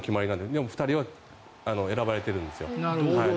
でも２人は選ばれてるんですよ。